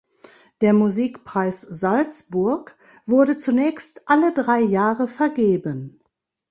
Der Musikpreis Salzburg wurde zunächst alle drei Jahre vergeben.